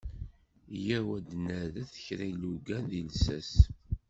Yya-w ad nerret kra ilugan deg llsas.